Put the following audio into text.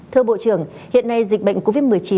thưa bộ trưởng hiện nay dịch bệnh covid một mươi chín